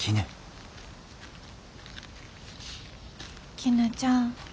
きぬちゃん。